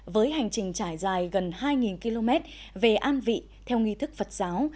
với hành trình trải dài gần hai km về an vị theo nghi thức phật giáo